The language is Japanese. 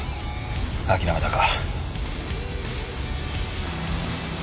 諦めたか。